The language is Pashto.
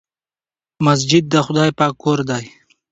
مسجد د خدای پاک کور دی.